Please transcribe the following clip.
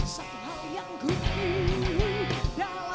saya dita mutiara nabela